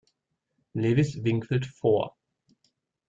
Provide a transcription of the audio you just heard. Lewis Wingfield vor.